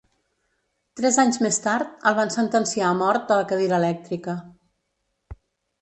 Tres anys més tard, el van sentenciar a mort a la cadira elèctrica.